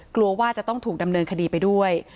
กลัวว่าจะต้องถูกดำเนินคดีไปด้วย